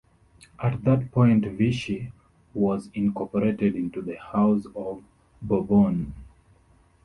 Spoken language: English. At that point Vichy was incorporated into the House of Bourbon.